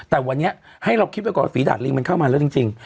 เพราะว่าฝีดาตรลิงมันเข้ามาแล้วจริง